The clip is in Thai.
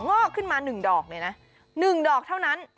งอกขึ้นมา๑ดอกเลยนะ๑ดอกเท่านั้น